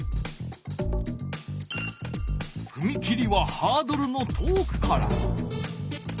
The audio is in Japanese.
ふみ切りはハードルの遠くから。